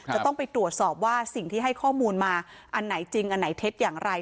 จะต้องไปตรวจสอบว่าสิ่งที่ให้ข้อมูลมาอันไหนจริงอันไหนเท็จอย่างไร